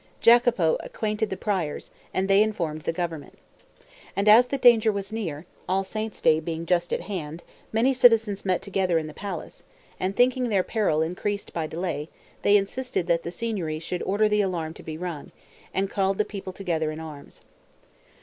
Jacopo acquainted the Priors, and they informed the government. And as the danger was near, All Saints' day being just at hand, many citizens met together in the palace; and thinking their peril increased by delay, they insisted that the Signory should order the alarm to be rung, and called the people together in arms.